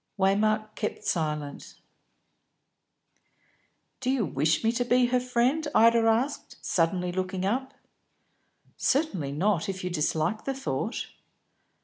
Waymark kept silence. "Do you wish me to be her friend?" Ida asked, suddenly looking up. "Certainly not if you dislike the thought."